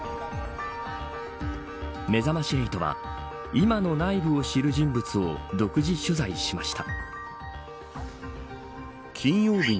めざまし８は今の内部を知る人物を独自取材しました。